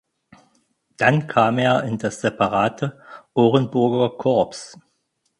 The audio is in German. Dann kam er in das separate Orenburger Korps.